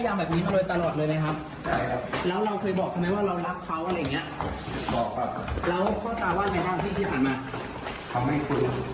อย่างเงี้ยบอกครับแล้วพ่อตาว่าอะไรบ้างพี่ที่หามาเขาไม่คุย